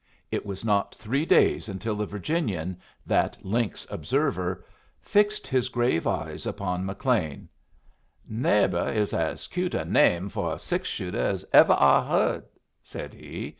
It was not three days until the Virginian, that lynx observer, fixed his grave eyes upon McLean "'Neighbor' is as cute a name for a six shooter as ever I heard," said he.